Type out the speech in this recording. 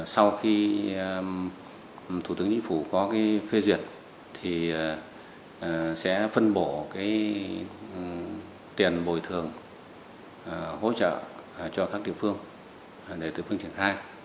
sau khi thủ tướng chính phủ có phê duyệt thì sẽ phân bổ tiền bồi thường hỗ trợ cho các địa phương để tự phương triển khai